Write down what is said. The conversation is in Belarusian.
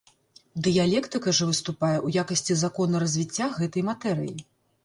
Дыялектыка жа выступае ў якасці закона развіцця гэтай матэрыі.